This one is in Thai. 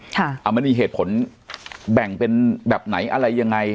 มันมีเหตุผลแบ่งเป็นแบบไหนอะไรยังไง